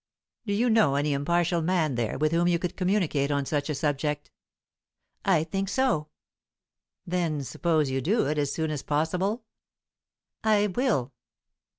"Do you know any impartial man there with whom you could communicate on such a subject?" "I think so." "Then suppose you do it as soon as possible?" "I will."